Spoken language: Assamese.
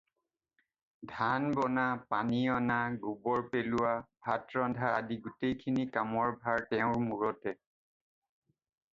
ধান বনা, পানী অনা, গোবৰ পেলোৱা, ভাত ৰন্ধা আদি গোটেইখিনি কামৰ ভাৰ তেওঁৰ মূৰতে।